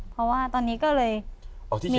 เพราะว่าตอนนี้ก็เลยมีแค่พระศรีวรรณ